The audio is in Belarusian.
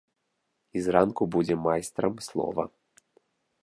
І зранку будзеце майстрам слова.